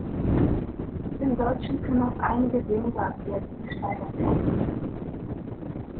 Im Deutschen können auch einige wenige Adverbien gesteigert werden.